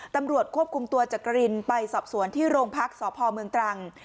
ตำรวจควบคุมตัวจักรินไปสอบสวนที่โรงพักษ์สพเมืองตรัง